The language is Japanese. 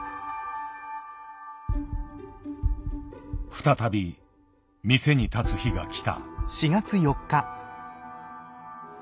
再び店に立つ日が来た。